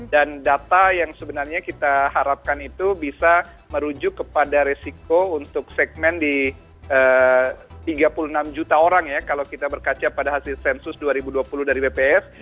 dan data yang sebenarnya kita harapkan itu bisa merujuk kepada resiko untuk segmen di tiga puluh enam juta orang ya kalau kita berkaca pada hasil sensus dua ribu dua puluh dari bps